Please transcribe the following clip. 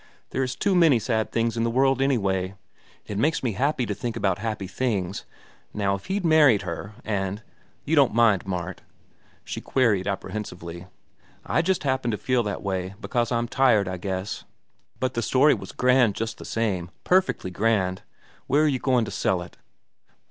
There is too many sad things in the world anyway. It makes me happy to think about happy things. Now if he'd married her, and—You don't mind, Mart?" she queried apprehensively. "I just happen to feel that way, because I'm tired, I guess. But the story was grand just the same, perfectly grand. Where are you goin' to sell it?"